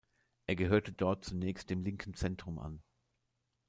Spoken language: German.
Er gehörte dort zunächst dem linken Centrum an.